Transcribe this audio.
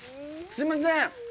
すいません。